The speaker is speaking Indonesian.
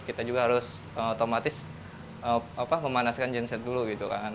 kita juga harus otomatis memanaskan genset dulu gitu kan